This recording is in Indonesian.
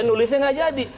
nulisnya nggak jadi